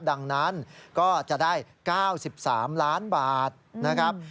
ดังนั้นก็จะได้๙๓ล้านบาทนะครับ